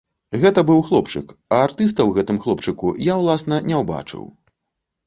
Гэта быў хлопчык, а артыста ў гэтым хлопчыку я, уласна, не ўбачыў.